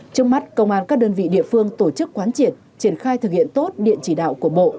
trong mắt công an các đơn vị địa phương tổ chức quán triệt triển khai thực hiện tốt điện chỉ đạo của bộ